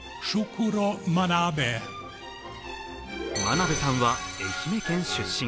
真鍋さんは愛媛県出身。